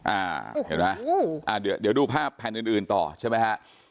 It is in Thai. อ่าเห็นไหมเดี๋ยวดูภาพแผ่นอื่นต่อใช่ไหมฮะ